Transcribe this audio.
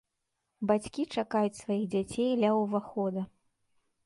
Бацькі чакаюць сваіх дзяцей ля ўвахода.